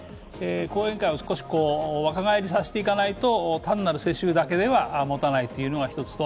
後援会を若返りさせていかないと、単なる世襲だけではもたないというのが一つと